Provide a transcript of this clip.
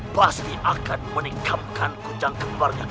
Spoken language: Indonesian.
pasti akan menikamkan kujang kembarnya